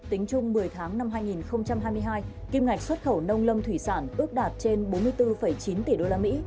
tính chung một mươi tháng năm hai nghìn hai mươi hai kim ngạch xuất khẩu nông lâm thủy sản ước đạt trên bốn mươi bốn chín tỷ usd